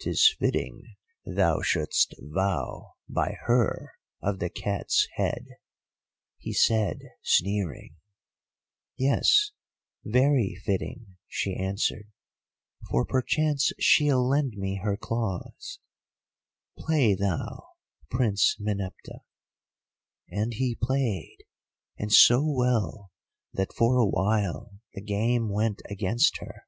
"''Tis fitting thou should'st vow by her of the Cat's Head,' he said, sneering. "'Yes; very fitting,' she answered, 'for perchance she'll lend me her claws. Play thou, Prince Meneptah.' "And he played, and so well that for a while the game went against her.